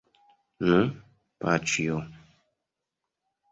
Nu, paĉjo!